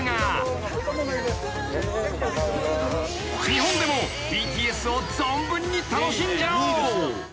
［日本でもＢＴＳを存分に楽しんじゃおう］